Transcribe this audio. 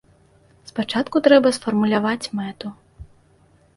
Спачатку трэба сфармуляваць мэту.